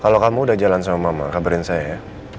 kalau kamu udah jalan sama mama kabarin saya ya